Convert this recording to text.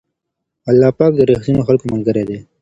الله پاک د رښتينو خلکو ملګری دی.